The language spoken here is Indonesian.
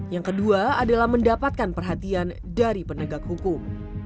yang kedua adalah mendapatkan perhatian dari penegak hukum